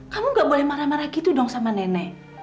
kamu gak boleh marah marah gitu dong sama nenek